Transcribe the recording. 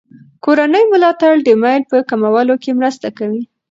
کورني ملاتړ د میل په کمولو کې مرسته کوي.